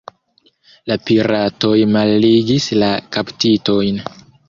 La piratoj malligis la kaptitojn.